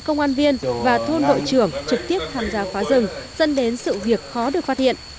công an viên đã ký cam kết không phá rừng với chính quyền địa phương nhưng vẫn có cá nhân đảng viên vi phạm